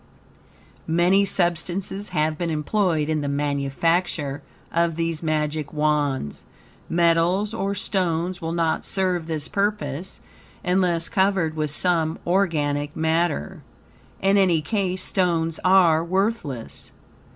Many substances have been employed in the manufacture of these Magic Wands. Metals or stones will not serve this purpose, unless covered with some organic matter. In any case stones are worthless.